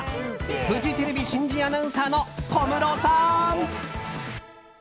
フジテレビ新人アナウンサーの小室さん！